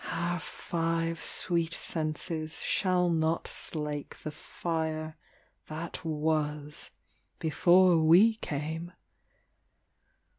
Our five sweet senses shall not slake The fire that was before we came.